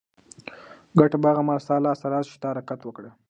ګټه به هغه مهال ستا لاس ته راشي چې ته حرکت وکړې.